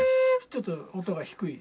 ちょっと音が低い。